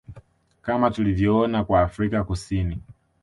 Kama tulivyoona kwa Afrika Kusini